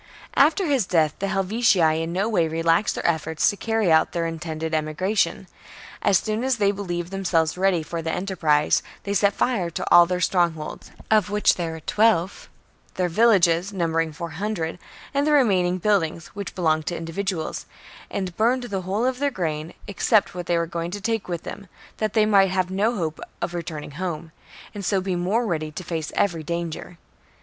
5. After his death the Helvetii in no way continued relaxed their efforts to carry out their intended Ke'^"°"^ emigration. As soon as they believed themselves theiramel? ready for the enterprise, they set fire to all their strongholds, of which there were twelve, their villages, numbering four hundred, and the remain ing buildings, which belonged to individuals ; and burned the whole of their grain, except what they were going to take with them, that they might have no hope of returning home, and so be more ready to face every danger.